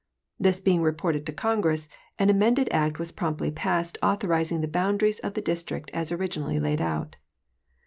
This being reported to Congress, an amended act was promptly passed authorizing the boundaries of the District as originally laid out.